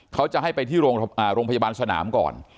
เขาจะให้ไปที่โรงพยาบาลสนามก่อน